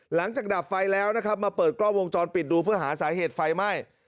ดับไฟแล้วนะครับมาเปิดกล้องวงจรปิดดูเพื่อหาสาเหตุไฟไหม้